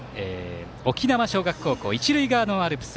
沖縄尚学高校一塁側のアルプス。